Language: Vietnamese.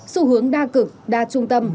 xu hướng đa cực đa trung tâm